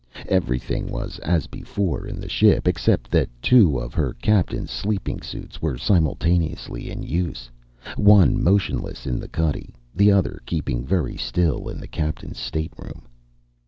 Everything was as before in the ship except that two of her captain's sleeping suits were simultaneously in use, one motionless in the cuddy, the other keeping very still in the captain's stateroom.